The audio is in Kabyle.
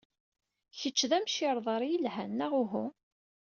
Kečč d amcirḍar yelhan neɣ uhu?